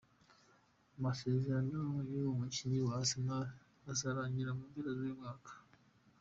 Amasezerano y'uwo mukinyi wa Arsenal azorangira mu mpera z'uyu mwaka.